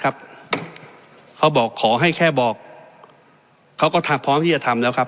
เขาบอกขอให้แค่บอกเขาก็พร้อมที่จะทำแล้วครับ